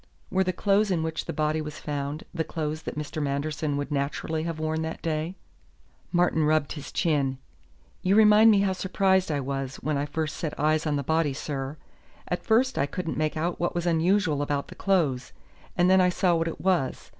Were the clothes in which the body was found the clothes that Mr. Manderson would naturally have worn that day?" Martin rubbed his chin. "You remind me how surprised I was when I first set eyes on the body, sir. At first I couldn't make out what was unusual about the clothes, and then I saw what it was.